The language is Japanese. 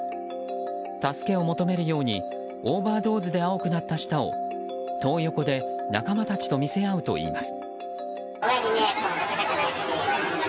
助けを求めるようにオーバードーズで青くなった舌をトー横で、仲間たちと見せ合うといいます。